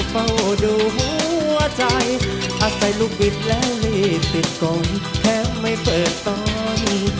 เป็นหนังในช่วงฟิล์มยืดพอดี